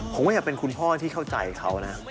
ผมก็อยากเป็นคุณพ่อที่เข้าใจเขานะ